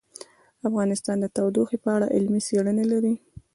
افغانستان د تودوخه په اړه علمي څېړنې لري.